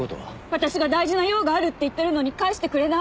私が大事な用があるって言ってるのに帰してくれない。